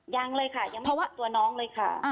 ยังเลยค่ะยังภาวะตัวน้องเลยค่ะ